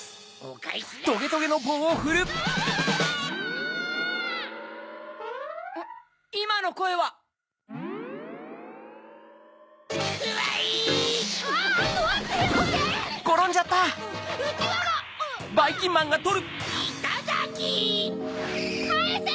かえせ！